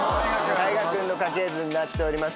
大我君の家系図になっております。